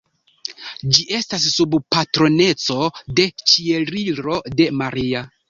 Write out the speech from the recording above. Ĝi estas sub patroneco de Ĉieliro de Maria.